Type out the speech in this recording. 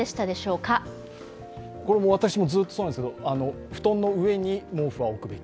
これ、私もずっとそうなんですけど布団の上に毛布を置くべき。